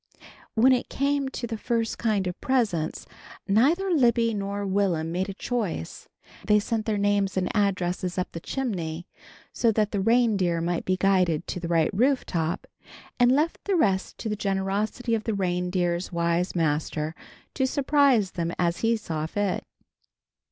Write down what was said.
When it came to the first kind of presents, neither Libby nor Will'm made a choice. They sent their names and addresses up the chimney so that the reindeer might be guided to the right roof top, and left the rest to the generosity of the reindeer's wise master to surprise them as he saw fit.